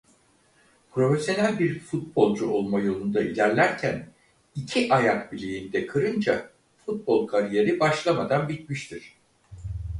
Profesyonel bir futbolcu olma yolunda ilerlerken iki ayak bileğini de kırınca futbol kariyeri başlamadan bitmiştir.